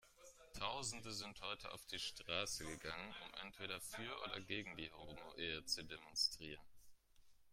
Tausende sind heute auf die Straße gegangen, um entweder für oder gegen die Homoehe zu demonstrieren.